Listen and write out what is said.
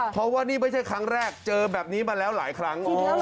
เพราะว่านี่ไม่ใช่ครั้งแรกเจอแบบนี้มาแล้วหลายครั้ง